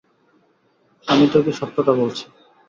আমি তোকে সত্যটা বলছি।